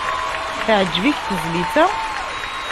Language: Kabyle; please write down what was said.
Teɛjeb-ik tezlit-a?